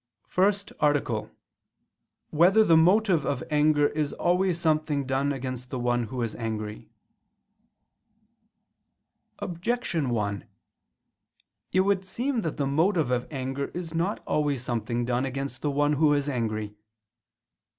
________________________ FIRST ARTICLE [I II, Q. 47, Art. 1] Whether the Motive of Anger Is Always Something Done Against the One Who Is Angry? Objection 1: It would seem that the motive of anger is not always something done against the one who is angry.